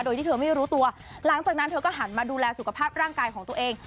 โดยที่เธอไม่รู้ตัวหลังจากนั้นเธอก็หันมาดูแลสุขภาพร่างกายของตัวเอง